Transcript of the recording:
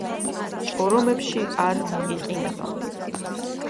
ჭორომებში არ იყინება.